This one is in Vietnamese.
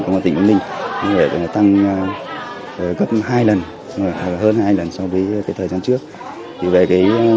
của tỉnh bình linh đã tăng gấp hai lần hơn hai lần so với thời gian trước